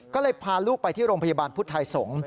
ก็เลยพาลูกไปที่โรงพยาบาลพุทธไทยสงศ์